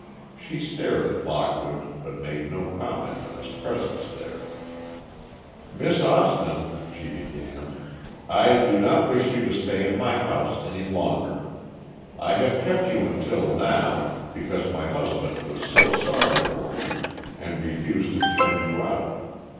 She stared at Lockwood, but made no comment on his presence there. "Miss Austin," she began, "I do not wish you to stay in my house any longer. I have kept you until now, because my husband was so sorry for you, and refused to turn you out.